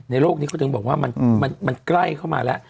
โลกนี้เขาถึงบอกว่ามันใกล้เข้ามาแล้ว